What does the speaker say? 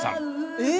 えっ！